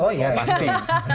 oh ya pasti